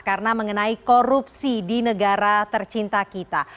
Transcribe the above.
karena mengenai korupsi di negara tercinta kita